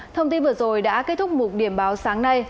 thông tin vừa rồi đã kết thúc một điểm báo sáng nay